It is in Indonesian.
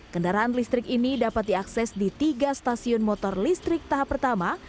kendaraan listrik ini dapat diakses di tiga stasiun motor listrik tahap pertama